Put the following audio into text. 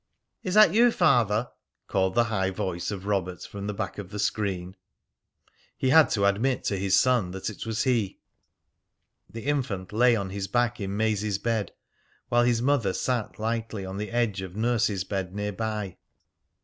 "Is that you, Father?" called the high voice of Robert from the back of the screen. He had to admit to his son that it was he. The infant lay on his back in Maisie's bed, while his mother sat lightly on the edge of nurse's bed near by.